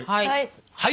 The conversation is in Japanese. はい！